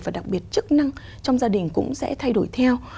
và đặc biệt chức năng trong gia đình cũng sẽ thay đổi theo